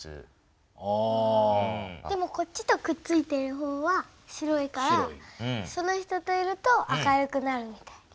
でもこっちとくっついてる方は白いからその人といると明るくなるみたいな。